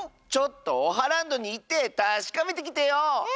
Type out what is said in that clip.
ちょっとオハランドにいってたしかめてきてよ！